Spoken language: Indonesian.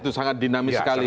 itu sangat dinamis sekali